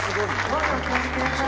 どうぞお座りください。